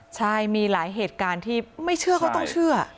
ใช่มีหลายเหตุการณ์ที่ไม่เชื่อก็ต้องเชื่อ